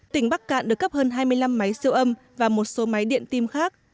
tỉnh bắc cạn được cấp hơn hai mươi năm máy siêu âm và một số máy điện tim khác